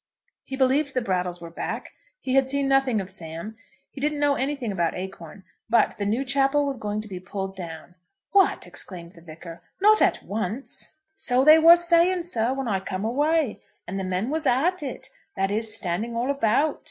He believed the Brattles were back; he had seen nothing of Sam; he didn't know anything about Acorn; but the new chapel was going to be pulled down. "What!" exclaimed the Vicar; "not at once?" "So they was saying, sir, when I come away. And the men was at it, that is, standing all about.